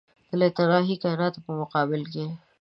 د لایتناهي کایناتو په مقابل کې.